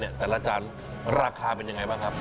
แต่ละจานราคาเป็นยังไงบ้างครับ